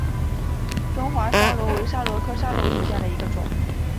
中华桫椤为桫椤科桫椤属下的一个种。